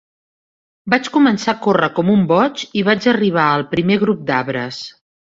Vaig començar a córrer com un boig i vaig arribar al primer grup d'arbres.